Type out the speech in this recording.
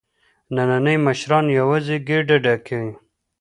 نني مشران یوازې ګېډه ډکوي.